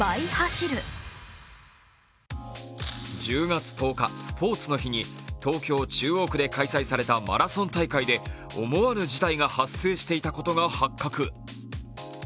１０月１０日スポーツの日に東京・中央区で開催されたマラソン大会で、思わぬ事態が発生していたことが発覚。